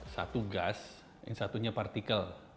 satu gas yang satunya partikel